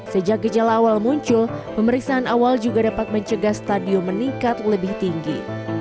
sejak gejala awal muncul pemeriksaan awal juga dapat mencegah stadium meningkat lebih tinggi